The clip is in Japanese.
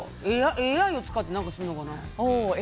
ＡＩを使って何かするのかな。